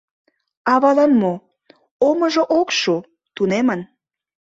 Авалан мо, омыжо ок шу — тунемын.